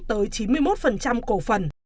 tới chín mươi một cổ phần